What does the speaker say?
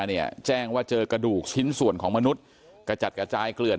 เนี่ยแจ้งว่าเจอกระดูกชิ้นส่วนของมนุษย์กระจัดกระจายเกลื่อน